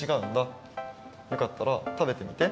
よかったらたべてみて。